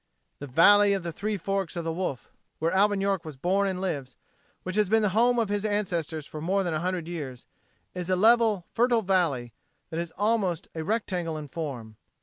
The "Valley of the Three Forks o' the Wolf," where Alvin York was born and lives, which has been the home of his ancestors for more than a hundred years, is a level fertile valley that is almost a rectangle in form.